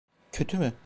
Kötü mü?